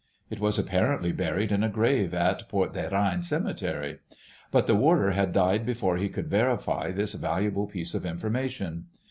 It was apparently buried in a grave in Port des Reines cemetery, but the warder had died before he could verify this valuable piece of information.